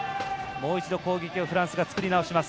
もう一度、攻撃をフランス作り直します。